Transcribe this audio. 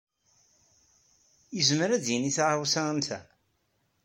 Yezmer ad d-yini taɣawsa am ta?